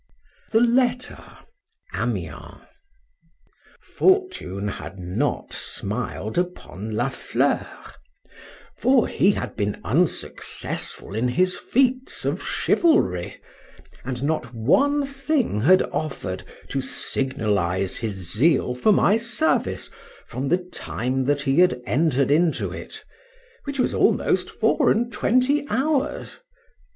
THE LETTER. AMIENS. FORTUNE had not smiled upon La Fleur; for he had been unsuccessful in his feats of chivalry,—and not one thing had offered to signalise his zeal for my service from the time that he had entered into it, which was almost four and twenty hours.